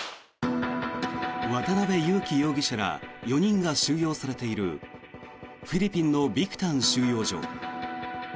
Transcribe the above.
渡邉優樹容疑者ら４人が収容されているフィリピンのビクタン収容所。